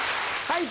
はい。